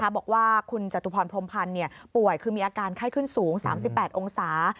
บอกว่าคุณจตุพรพรมพันธ์ป่วยคือมีอาการไข้ขึ้นสูง๓๘องศา